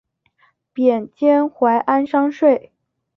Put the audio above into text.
贬监怀安商税。